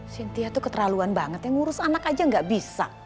cynthia itu keterlaluan banget ya ngurus anak aja gak bisa